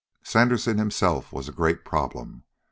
Sandersen himself was a great problem.